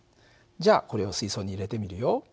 じゃあこれを水槽に入れてみるよ。